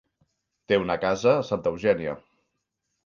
Té una casa a Santa Eugènia.